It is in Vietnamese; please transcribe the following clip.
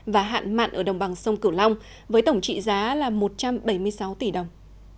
và hạn mặn ở đồng bằng sông cửu long với tổng trị giá là một trăm bảy mươi sáu tỷ đồng